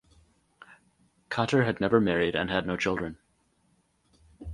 Katter had never married and had no children.